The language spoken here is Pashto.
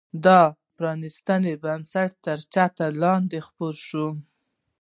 دا د پرانیستو بنسټونو تر چتر لاندې خپره شوه.